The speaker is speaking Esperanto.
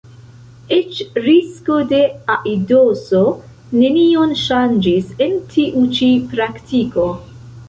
Eĉ risko de aidoso nenion ŝanĝis en tiu ĉi praktiko.